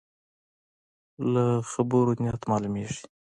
له خبرو نیت معلومېږي.